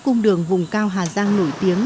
cung đường vùng cao hà giang nổi tiếng